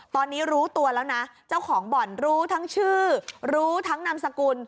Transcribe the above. ตอนนี้รู้ตัวแล้วนะเจ้าของบ่อนรู้ทั้งชื่อรู้ทั้งนามสกุล